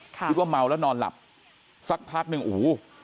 คิดว่าเมาแล้วนอนหลับสักพักหนึ่งโอ้โห